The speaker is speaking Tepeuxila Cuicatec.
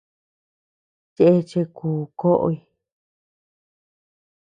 Cheche ku koʼoy.